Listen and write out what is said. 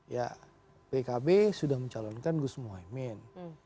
ya pkb sudah mencalonkan gus muhaymin